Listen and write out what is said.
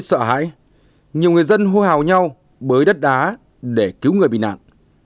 gạt đi nỗi sợ hãi nhiều người dân hô hào nhau bới đất đá để cứu người bị nạn